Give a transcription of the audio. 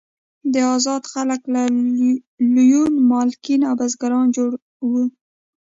دا آزاد خلک له لویو مالکین او بزګرانو جوړ وو.